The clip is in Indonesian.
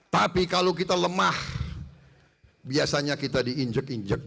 tapi kalau kita lemah biasanya kita diinjek injek